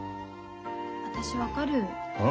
私分かる。